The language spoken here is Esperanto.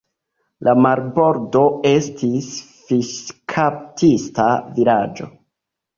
La marbordo estis fiŝkaptista vilaĝo.